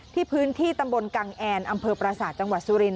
ที่พื้นที่ตำบลกังแอร์อำเภอปราศาสตร์จังหวัดสุรินตร์